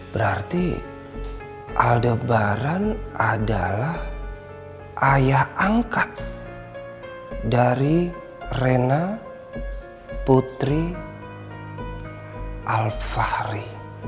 berarti aldebaran adalah ayah angkat dari rena putri alfahri